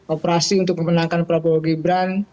operasi untuk memenangkan prabowo gibran